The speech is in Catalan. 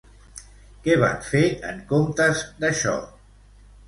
Què van fer en comptes d'això?